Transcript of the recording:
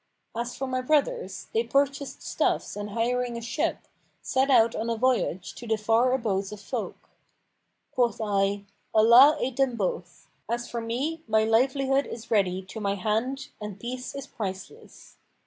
As for my brothers, they purchased stuffs and hiring a ship, set out on a voyage to the far abodes of folk. Quoth I, 'Allah aid them both! As for me, my livelihood is ready to my hand and peace is priceless.'